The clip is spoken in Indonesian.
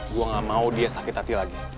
gue gak mau dia sakit hati lagi